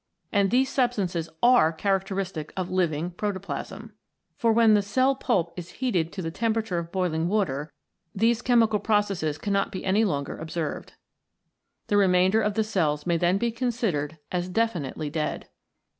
And these substances are characteristic of living protoplasm. For when the cell pulp is heated to the temperature of boiling water these chemical processes cannot be any longer observed. The remainder of the cells may then be considered as definitely dead.